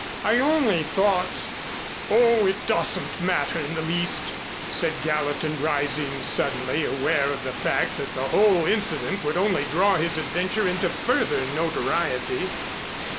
I only thought " "Oh, it doesn't matter in the least," said Gallatin, rising, suddenly aware of the fact that the whole incident would only draw his adventure into further notoriety.